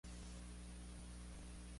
Se puede añadir blindaje extra.